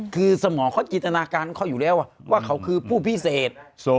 คือสมองเขาจินตนาการเขาอยู่แล้วว่าเขาคือผู้พิเศษ